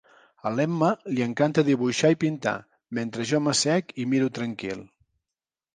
A l'Emma li encanta dibuixar i pintar, mentre jo m'assec i miro tranquil